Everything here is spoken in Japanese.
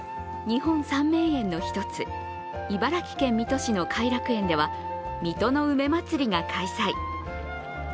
日本三名園の１つ、茨城県水戸市の偕楽園では水戸の梅まつりが開催。